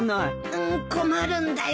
う困るんだよ。